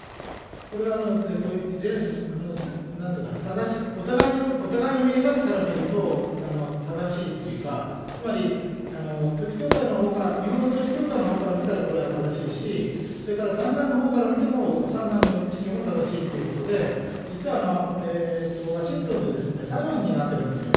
これはなんていうかな、お互いの見え方から見ると、正しいっていうか、つまり、統一教会、日本の統一教会のほうから見たらこれは正しいし、それから三男のほうから見ても、三男の主張も正しいということで、実はワシントンで裁判になってるんですよ。